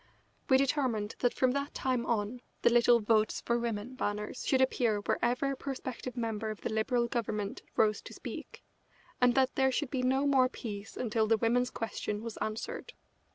We determined that from that time on the little "Votes For Women" banners should appear wherever a prospective member of the Liberal Government rose to speak, and that there should be no more peace until the women's question was answered.